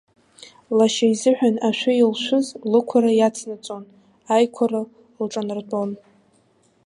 Лашьа изыҳәан ашәы илшәыз лықәра иацнаҵон, аиқәара лҿанартәон.